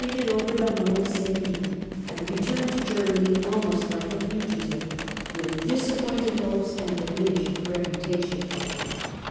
AND THE LOMBARD COMMUNES 163 over the Mont Cenis, and returned to Germany almost like a fugitive, with disappointed hopes and diminished reputation.